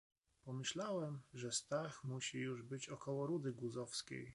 "Pomyślałem, że Stach musi już być około Rudy Guzowskiej."